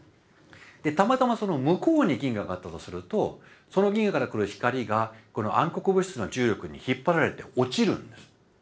たまたまその向こうに銀河があったとするとその銀河から来る光が暗黒物質の重力に引っ張られて落ちるんです。